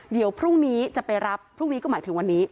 เดี๋ยวพรุ่งนี้จะไปรับพรุ่งนี้ก็หมายถึงวันนี้